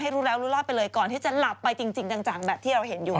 รู้แล้วรู้รอดไปเลยก่อนที่จะหลับไปจริงจังแบบที่เราเห็นอยู่